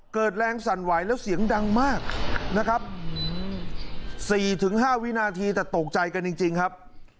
เกิดแรงสั่นไหวแล้วเสียงดังมากนะครับ๔๕วินาทีแต่ตกใจกันจริงครับ